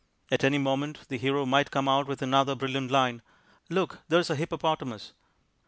At any moment the hero might come out with another brilliant line "Look, there's a hippopotamus."